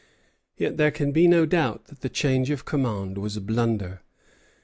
Yet there can be no doubt that the change of command was a blunder.